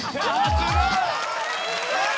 すごい！